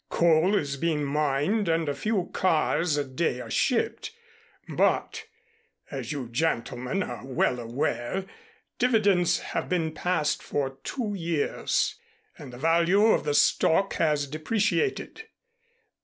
Coal is being mined and a few cars a day are shipped, but, as you gentlemen are well aware, dividends have been passed for two years and the value of the stock has depreciated.